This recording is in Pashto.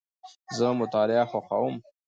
زه مطالعه خوښوم.